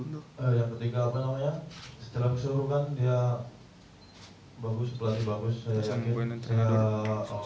untuk yang ketiga apa namanya secara keseluruhan dia bagus pelatih bagus